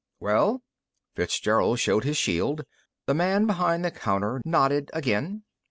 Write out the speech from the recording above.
"Well?" Fitzgerald showed his shield. The man behind the counter nodded again.